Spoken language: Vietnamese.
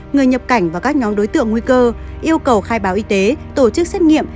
người nhập cảnh và các nhóm đối tượng nguy cơ yêu cầu khai báo y tế tổ chức xét nghiệm